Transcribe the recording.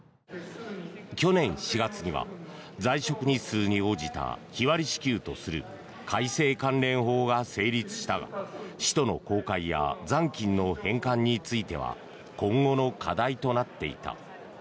去年４月には在職日数に応じた日割り支給とする改正関連法が成立したが使途の公開や残金の返還については今後の課題となっていた。